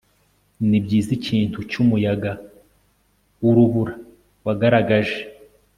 Nibyiza ikintu cyumuyaga wurubura wagaragaje